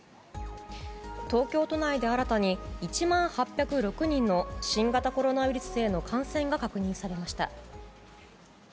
東京都内で新たに１万８０６人の新型コロナウイルスへの感染が確認されました。